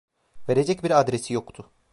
Verecek bir adresi yoktu.